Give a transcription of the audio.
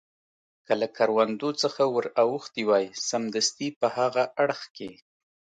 که له کروندو څخه ور اوښتي وای، سمدستي په هاغه اړخ کې.